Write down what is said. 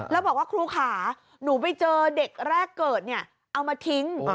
แล้วบอกว่าครูขาหนูไปเจอเด็กแรกเกิดเนี่ยเอามาทิ้ง